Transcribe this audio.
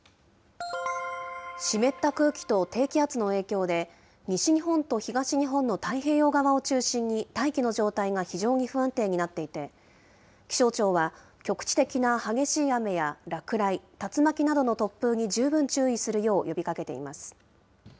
湿った空気と低気圧の影響で、西日本と東日本の太平洋側を中心に大気の状態が非常に不安定になっていて、気象庁は、局地的な激しい雨や落雷、竜巻などの突風に十分注意するよう呼びかけています。